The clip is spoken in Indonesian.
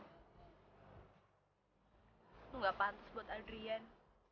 enggak pantas buat adrian